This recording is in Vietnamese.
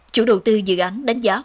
chủ đầu tư dự án đánh giá khối lượng